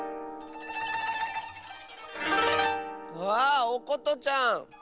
あおことちゃん！